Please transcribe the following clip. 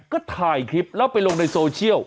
ก็ถ่ายคลิปแล้วไปลงในโซเชียล